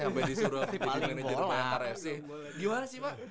sampai disuruh menjadi manajer bayangkara fc